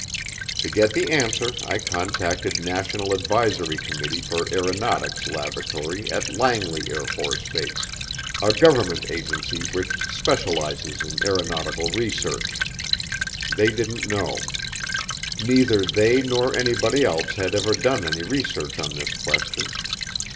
To get the answer I contacted National Advisory Committee for Aeronautics Laboratory at Langley AFB, a government agency which specializes in aeronautical research. They didn't know. Neither they nor anybody else had ever done any research on this question.